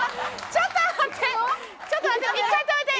ちょっと待って！」